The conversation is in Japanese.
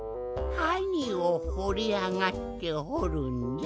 はにをほりあがってほるんじゃ？